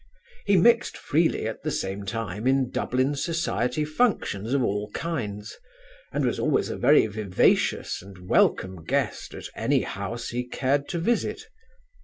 "He mixed freely at the same time in Dublin society functions of all kinds, and was always a very vivacious and welcome guest at any house he cared to visit.